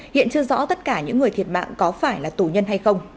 hiện chưa rõ tất cả những người thiệt mạng có phải là tù nhân hay không